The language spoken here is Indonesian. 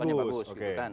kedepannya bagus gitu kan